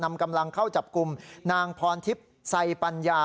นำกำลังเข้าจับกลุ่มนางพรทิพย์ไซปัญญา